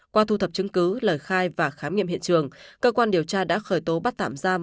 qua thu thập chứng cứ lời khai và khám nghiệm hiện trường cơ quan điều tra đã khởi tố bắt tạm giam